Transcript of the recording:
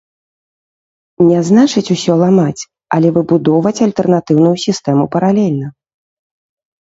Не значыць усё ламаць, але выбудоўваць альтэрнатыўную сістэму паралельна.